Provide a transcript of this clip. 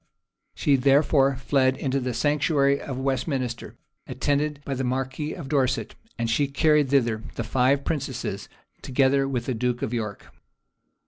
She therefore fled into the sanctuary of Westminster, attended by the marquis of Dorset; and she carried thither the five princesses, together with the duke of York.